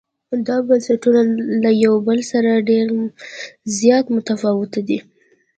دا بنسټونه له یو بل سره ډېر زیات متفاوت دي.